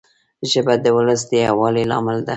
ژبه د ولس د یووالي لامل ده